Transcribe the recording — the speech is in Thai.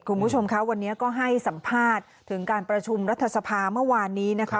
คุณผู้ชมคะวันนี้ก็ให้สัมภาษณ์ถึงการประชุมรัฐสภาเมื่อวานนี้นะคะ